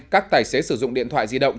các tài xế sử dụng điện thoại di động